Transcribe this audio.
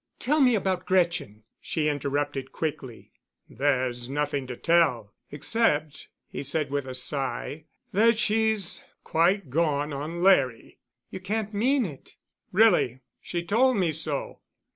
"Tell me about Gretchen," she interrupted quickly. "There's nothing to tell, except," he said with a sigh, "that she's quite gone on Larry." "You can't mean it?" "Really—she told me so."